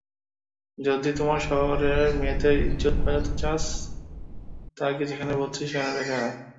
যদি তোর শহরের মেয়েদের ইজ্জত বাঁচাতে চাস, তাকে যেখানে বলেছি সেখানে রেখে আয়।